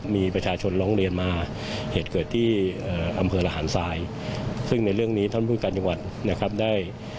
มีประชาชนร้องเรียนมาเหตุเกิดที่อำเภอระหารทรายซึ่งในเรื่องนี้ท่านผู้การจังหวัดนะครับได้